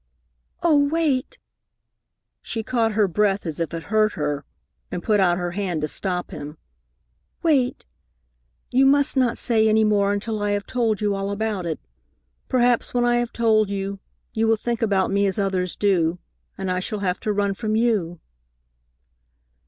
"Oh, wait!" She caught her breath as if it hurt her, and put out her hand to stop him, "Wait! You must not say any more until I have told you all about it. Perhaps when I have told you, you will think about me as others do, and I shall have to run from you."